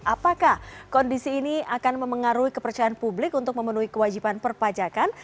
apakah kondisi ini akan memengaruhi kepercayaan publik untuk memenuhi kewajiban perpajakan